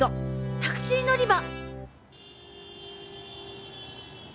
タクシーのりば！